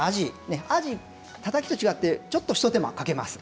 たたきと違ってちょっと一手間をかけます。